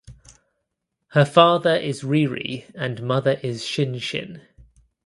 Her father is Ri Ri and mother is Shin Shin.